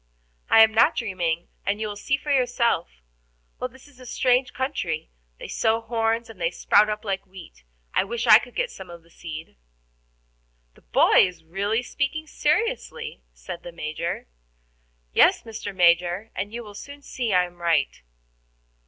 "I am not dreaming, and you will see for yourself. Well, this is a strange country. They sow horns, and they sprout up like wheat. I wish I could get some of the seed." "The boy is really speaking seriously," said the Major. "Yes, Mr. Major, and you will soon see I am right."